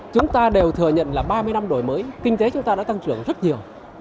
chúng ta đều thừa nhận là ba mươi năm đổi mới kinh tế chúng ta đã tăng trưởng rất nhiều